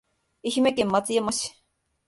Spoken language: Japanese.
愛媛県松山市